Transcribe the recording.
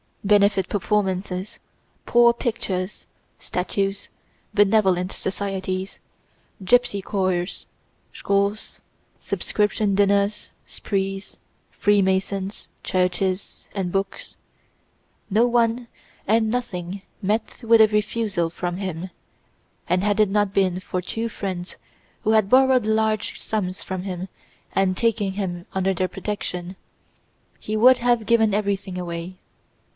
Benefit performances, poor pictures, statues, benevolent societies, gypsy choirs, schools, subscription dinners, sprees, Freemasons, churches, and books—no one and nothing met with a refusal from him, and had it not been for two friends who had borrowed large sums from him and taken him under their protection, he would have given everything away.